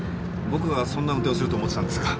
僕がそんな運転をすると思ってたんですか？